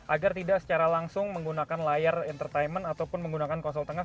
agar tidak secara langsung menggunakan layar entertainment ataupun menggunakan kosong tengah